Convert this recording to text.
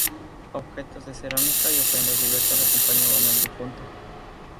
Objetos de cerámica y ofrendas diversas acompañaban al difunto.